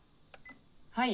はい。